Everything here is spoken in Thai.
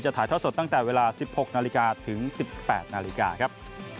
ถ่ายท่อสดตั้งแต่เวลา๑๖นาฬิกาถึง๑๘นาฬิกาครับ